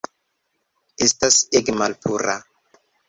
Estas ege malpura